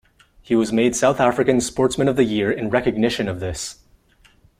He was made South African Sportsman of the Year in recognition of this.